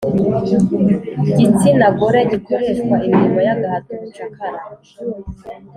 Gitsina gore gikoreshwa imirimo y’agahato ubucakara